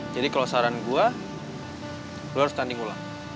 jadi kalau saran gue lo harus tanding ulang